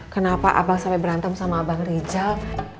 kenapa abang sampe berantem sama abang rizal